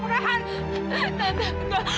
tidak tante tidak